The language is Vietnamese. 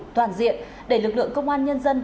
toàn diện để lực lượng công an nhân dân